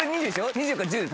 ２０か１０。